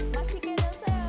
halo selamat datang